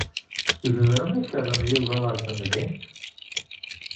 Tzemrem ad terrem Yuba ɣer temdint?